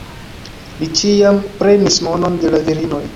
Li ĉiam prenis monon de la virinoj.